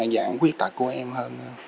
dạng khuyết tạc của em hơn